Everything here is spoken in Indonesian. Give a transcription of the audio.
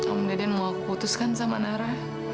om deden mau aku putuskan sama nara